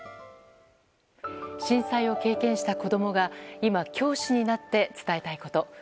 震災を経験した子供が今、教師になって伝えたいこと。